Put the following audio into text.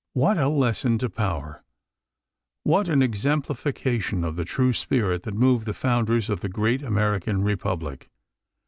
What a lesson to power, what an exemplification of the true spirit that moved the founders of the great American Republic!